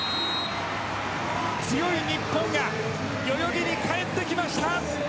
強い日本が代々木に帰ってきました。